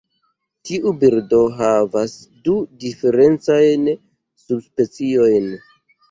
Tiu birdo havas du diferencajn subspeciojn.